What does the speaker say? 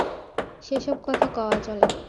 সে সব কথা কওয়া চলে।